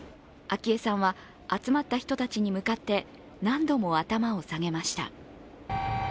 昭恵さんは集まった人たちに向かって、何度も頭を下げました。